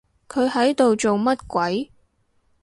佢喺度做乜鬼？